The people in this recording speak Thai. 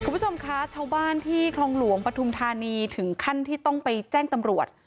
คุณผู้ชมคะชาวบ้านที่คลองหลวงปฐุมธานีถึงขั้นที่ต้องไปแจ้งตำรวจ